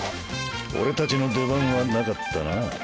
俺たちの出番はなかったなぁ。